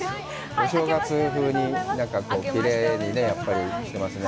お正月ふうにきれいにね、やっぱりしていますね。